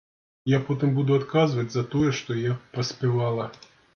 Я потым буду адказваць за тое, што я праспявала.